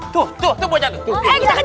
tuh tuh bocah tuh